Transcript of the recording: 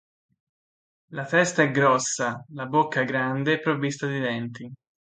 La testa è grossa, la bocca grande provvista di denti.